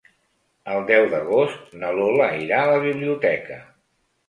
El deu d'agost na Lola irà a la biblioteca.